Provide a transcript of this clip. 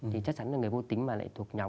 thì chắc chắn là người vô tính mà lại thuộc nhóm